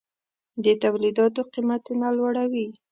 د تولیداتو قیمتونه لوړوي.